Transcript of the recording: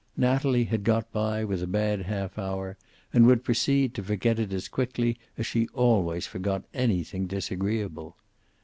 Natalie had got by with a bad half hour, and would proceed to forget it as quickly as she always forgot anything disagreeable.